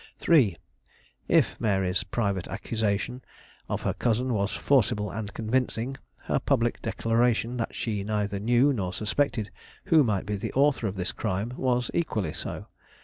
3. If Mary's private accusation of her cousin was forcible and convincing, her public declaration that she neither knew nor suspected who might be the author of this crime, was equally so.